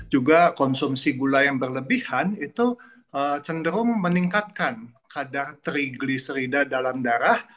juga konsumsi gula yang berlebihan itu cenderung meningkatkan kadar triglicerida dalam darah